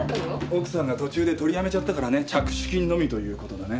奥さんが途中で取りやめちゃったからね着手金のみということだね。